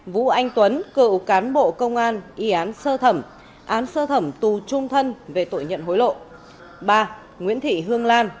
hai vũ anh tuấn cựu cán bộ công an y án sơ thẩm án sơ thẩm tù trung thân về tội nhận hối lộ